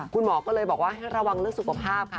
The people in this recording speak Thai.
คุณหมอก็เลยบอกว่าให้ระวังเรื่องสุขภาพค่ะ